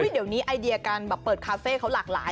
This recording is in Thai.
เดี๋ยวนี้ไอเดียการแบบเปิดคาเฟ่เขาหลากหลาย